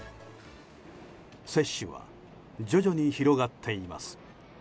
接種は徐々に広がっています。